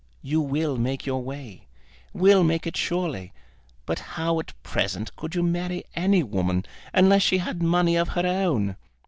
You will make your way; will make it surely; but how at present could you marry any woman unless she had money of her own?